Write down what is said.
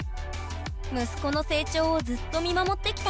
息子の成長をずっと見守ってきたお母さん